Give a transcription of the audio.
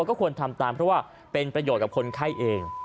ก็ควรทำตามเพราะว่าเป็นประโยชน์กับคนไข้เอง